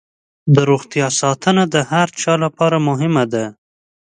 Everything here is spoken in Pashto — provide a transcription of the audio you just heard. د روغتیا ساتنه د هر چا لپاره مهمه ده.